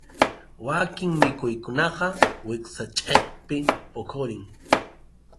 Wakin mikhuykunaqa wiksanchikpi puqurin.